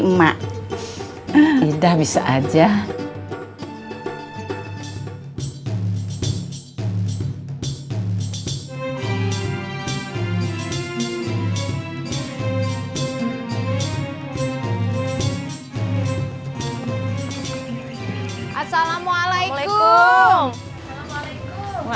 emak tidak bisa aja hai assalamualaikum